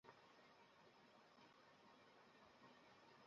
যাইহোক অ্যাসিড তো।